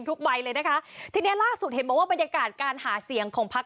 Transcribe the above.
ใบเลยนะคะทีเนี้ยล่าสุดเห็นบอกว่าบรรยากาศการหาเสียงของพัก